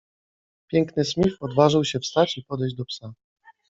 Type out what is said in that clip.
Piękny Smith odważył się wstać i podejść do psa.